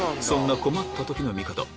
そんな困った時の味方